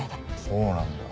そうなんだ。